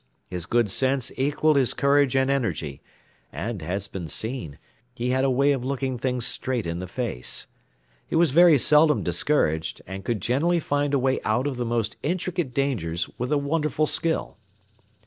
His good sense equalled his courage and energy, and, as has been seen, he had a way of looking things straight in the face. He was very seldom discouraged, and could generally find a way out of the most intricate dangers with a wonderful skill.